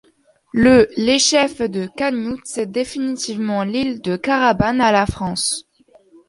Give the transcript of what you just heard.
Le les chefs de Kagnout cèdent définitivement l'île de Karabane à la France.